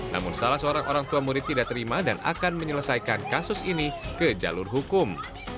namun salah seorang orang tua murid tidak terima dan akan menyelesaikan kasus ini ke jalur hukum